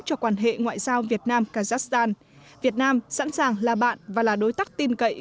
cho quan hệ ngoại giao việt nam kazakhstan việt nam sẵn sàng là bạn và là đối tác tin cậy